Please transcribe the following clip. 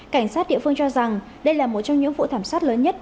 cảnh sát địa phương cho rằng đây là một trong những vụ thảm sát lớn nhất